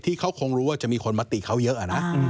ที่เขาคงรู้ว่าจะมีคนมาติเขาเยอะนะ